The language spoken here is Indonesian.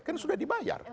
kan sudah dibayar